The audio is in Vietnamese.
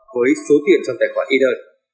với số tiền trong tài khoản ether